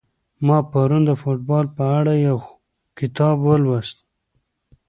ما پرون د فوټبال په اړه یو کتاب ولوست.